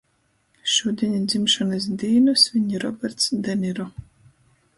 Šudiņ dzimšonys dīnu sviņ Roberts de Niro!